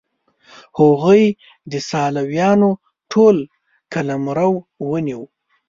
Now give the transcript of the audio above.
هغوی د سلاویانو ټول قلمرو ونیو.